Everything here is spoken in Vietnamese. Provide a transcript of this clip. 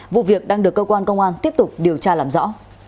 vụ việc đang được công an tiếp tục điều tra làm rõ